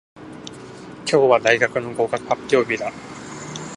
今日は大学の合格発表日だ。